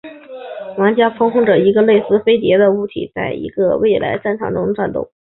玩家控制着一个类似飞碟的物体在一个未来战场中战斗。